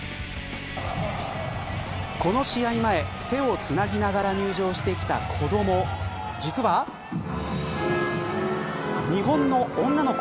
この試合前、手をつなぎながら入場してきた子ども実は日本の女の子。